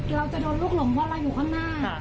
เราจะโดนลูกหลงเพราะเราอยู่ข้างหน้า